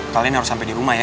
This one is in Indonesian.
kalian harus sampai di rumah ya